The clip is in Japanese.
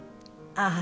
ああ。